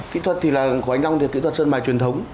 kỹ thuật thì là của anh long thì kỹ thuật sơn mài truyền thống